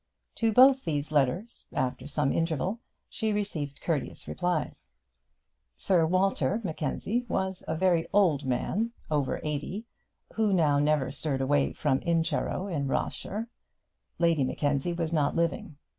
To both these letters, after some interval, she received courteous replies. Sir Walter Mackenzie was a very old man, over eighty, who now never stirred away from Incharrow, in Ross shire. Lady Mackenzie was not living.